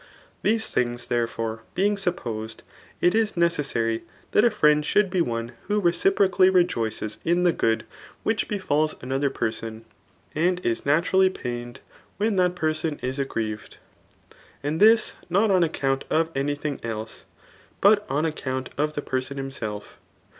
These^thii^gs, therefore, bdng supposed, it is necessary Aat a friend should bi& one who xeciprociUy rejoices id ^ godd which befals another person, and: is n&tucallp peined when that person is aggnbved, and this itot tm Hcount:of any thing else^ but on account of the petson hiibself.